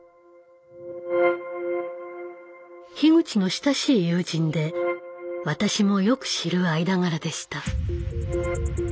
樋口の親しい友人で私もよく知る間柄でした。